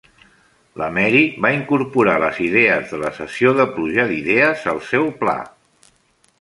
La Mary va incorporar les idees de la sessió de pluja d'idees al seu pla.